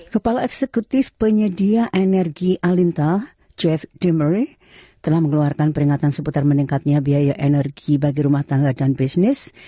kepala eksekutif penyedia energi alintal jeff demar telah mengeluarkan peringatan seputar meningkatnya biaya energi bagi rumah tangga dan bisnis